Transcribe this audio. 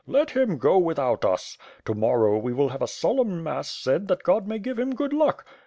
... Tjet him go without us. To morrow we will have a solemn mass said that God mav give him good luck.